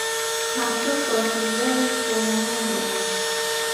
مخصوص باکتریاوې سپورونه جوړوي.